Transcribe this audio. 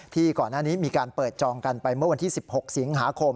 ก่อนหน้านี้มีการเปิดจองกันไปเมื่อวันที่๑๖สิงหาคม